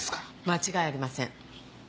間違いありません。